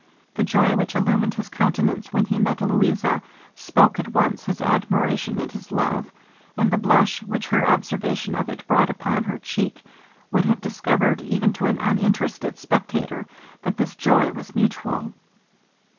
The joy which illumined his countenance when he met Louisa, spoke at once his admiration and his love; and the blush which her observation of it brought upon her cheek, would have discovered, even to an uninterested spectator, that this joy was mutual.